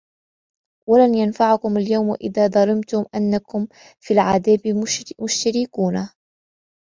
وَلَنْ يَنْفَعَكُمُ الْيَوْمَ إِذْ ظَلَمْتُمْ أَنَّكُمْ فِي الْعَذَابِ مُشْتَرِكُونَ